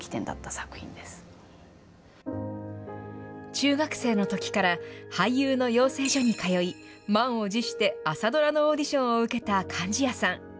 中学生のときから俳優の養成所に通い、満を持して朝ドラのオーディションを受けた貫地谷さん。